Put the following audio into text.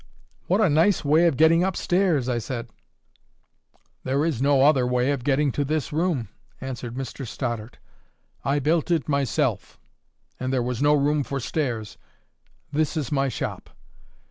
"What a nice way of getting up stairs!" I said. "There is no other way of getting to this room," answered Mr Stoddart. "I built it myself; and there was no room for stairs. This is my shop.